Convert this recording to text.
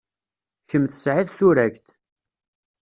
Kemm tesɛid turagt.